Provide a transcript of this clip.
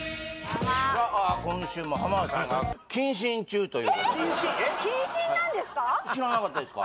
今週も浜田さんが謹慎中ということで謹慎なんですか？